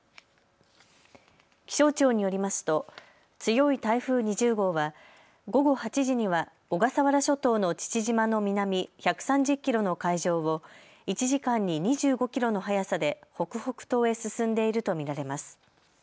気象庁によりますと強い台風２０号は午後８時には小笠原諸島の父島の南１３０キロの海上を１時間に２５キロの速さで北北東へ進んでいると見られます。